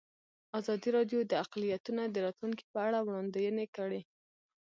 ازادي راډیو د اقلیتونه د راتلونکې په اړه وړاندوینې کړې.